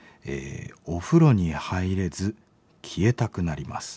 「お風呂に入れず消えたくなります。